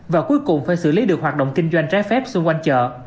bộ y tế đã xử lý được hoạt động kinh doanh trái phép xung quanh chợ